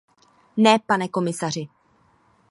Ne, pane komisaři.